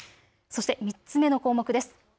そして３つ目の項目です。